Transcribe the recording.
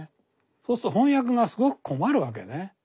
そうすると翻訳がすごく困るわけね。